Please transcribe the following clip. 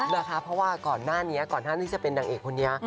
นะคะเพราะว่าก่อนหน้านี้ก่อนหน้าที่จะเป็นนางเอกคนนี้